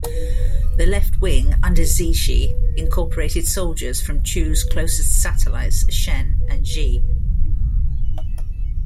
The left wing under Zixi incorporated soldiers from Chu's close satellites Shen and Xi.